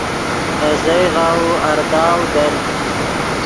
نے زیغ غاؤو ارداؤ دل